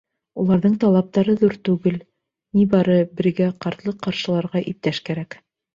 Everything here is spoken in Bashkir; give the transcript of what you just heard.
Уларҙың талаптары ҙур түгел, ни бары бергә ҡартлыҡ ҡаршыларға иптәш кәрәк.